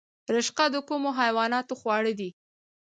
رشقه د کومو حیواناتو خواړه دي؟